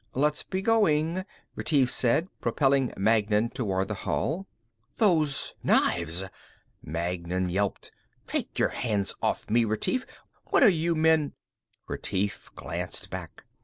"Let's be going," Retief said, propelling Magnan toward the hall. "Those knives!" Magnan yelped. "Take your hands off me, Retief! What are you men ?" Retief glanced back.